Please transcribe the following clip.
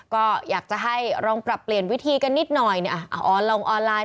ก็อยากจะให้ลองปรับเปลี่ยนวิธีกันนิดหน่อยลองออนไลน์